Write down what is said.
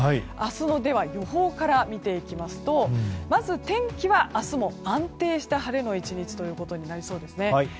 明日の予報から見ていきますとまず天気は明日も安定した晴れの１日となりそうですね。